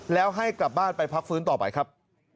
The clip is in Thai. แล้วให้กลับบ้านไปพักฟื้นต่อไปครับ